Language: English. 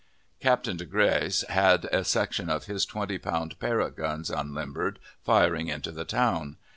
Captain De Gres had a section of his twenty pound Parrott guns unlimbered, firing into the town.